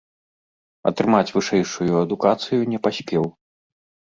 Атрымаць вышэйшую адукацыю не паспеў.